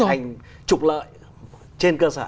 anh trục lợi trên cơ sở